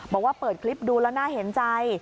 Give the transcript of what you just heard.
บอกว่าเปิดคลิปดูแล้วน่าเห็นใจ